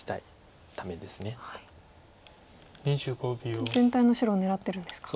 じゃあ全体の白を狙ってるんですか。